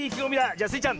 じゃあスイちゃん